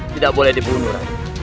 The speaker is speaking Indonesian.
tidak boleh dibunuh